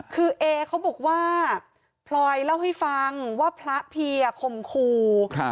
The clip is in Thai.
คือเอเขาบอกว่าพลอยเล่าให้ฟังว่าพระพีคมครู